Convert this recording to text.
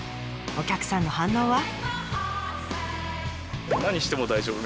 お客さんの反応は？